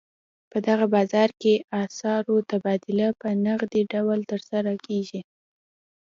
په دغه بازار کې اسعارو تبادله په نغدي ډول ترسره کېږي.